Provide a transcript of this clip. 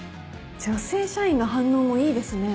女性社員の反応もいいですね。